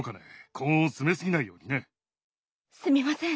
根を詰め過ぎないようにね。すみません。